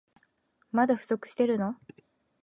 まだ不足してるの？